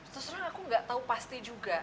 sesuai aku tidak tahu pasti juga